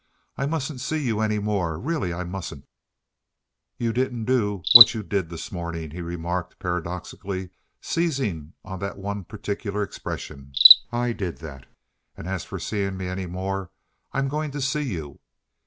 I mustn't see you any more. Really I mustn't." "You didn't do what you did this morning," he remarked, paradoxically, seizing on that one particular expression. "I did that. And as for seeing me any more, I'm going to see you."